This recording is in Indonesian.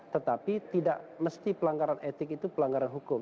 tetapi tidak mesti pelanggaran etik itu pelanggaran hukum